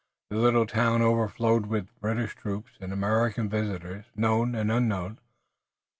The little town overflowed with British troops, and American visitors known and unknown.